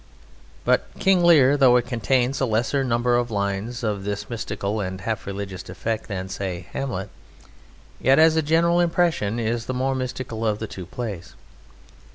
But "King Lear," though it contains a lesser number of lines of this mystical and half religious effect than, say, "Hamlet," yet as a general impression is the more mystical of the two plays.